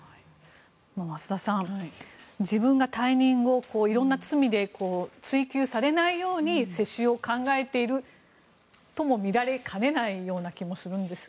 増田さん、自分が退任後いろんな罪で追及されないように世襲を考えているともみられかねないような気もするんですが。